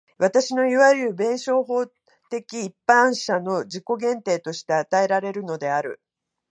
私のいわゆる弁証法的一般者の自己限定として与えられるのである。